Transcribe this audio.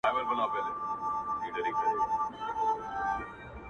o دا عمه سوه، دا خاله سوه، هلک د جره گۍ مړ سو.